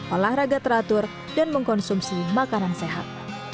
olahraga teratur dan mengkonsumsi makanan sehat